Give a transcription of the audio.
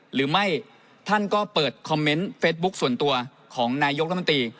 หรือไม่ท่านก็เปิดคอมเมนต์เฟสบุ๊คส่วนตัวของนายกรัฐมนตรี